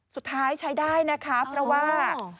สุดท้ายใช้ได้นะคะเพราะว่า